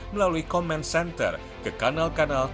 melalui comment center ke kanal kanal